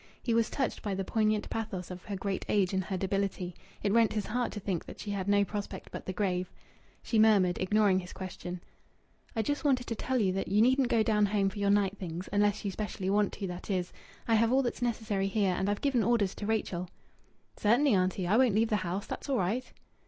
He was touched by the poignant pathos of her great age and her debility. It rent his heart to think that she had no prospect but the grave. She murmured, ignoring his question "I just wanted to tell you that you needn't go down home for your night things unless you specially want to, that is. I have all that's necessary here, and I've given orders to Rachel." "Certainly, auntie. I won't leave the house. That's all right."